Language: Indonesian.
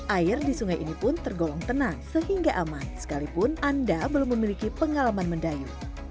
air di sungai ini pun tergolong tenang sehingga aman sekalipun anda belum memiliki pengalaman mendayu